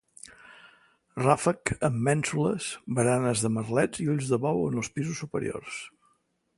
Ràfec amb mènsules, baranes de merlets i ulls de bou en els pisos superiors.